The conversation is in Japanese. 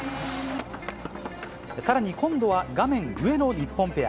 さらに今度は画面上の日本ペア。